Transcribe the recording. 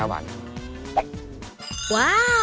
ว้าว